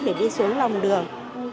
để đi xuống lòng đường